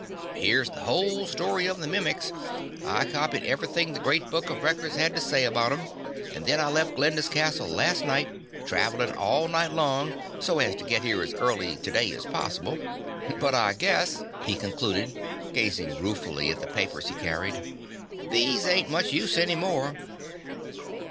"Here's the whole story of the Mimics. I copied everything the Great Book of Records had to say about 'em, and then I left Glinda's Castle last night, travelin' all night long so as to get here as early today as possible. But I guess," he concluded, gazing ruefully at the papers he carried, "these ain't much use anymore."